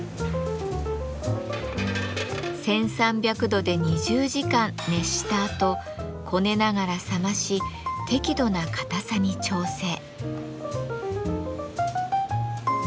１，３００度で２０時間熱したあとこねながら冷まし適度な硬さに調整。